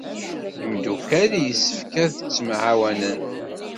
Imeddukal yessefk ad ttemɛawanen.